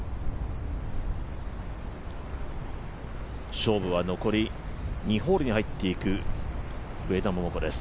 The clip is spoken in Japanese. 勝負は残り２ホールに入っていく上田桃子です。